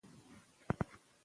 زده کوونکي خوشاله دي.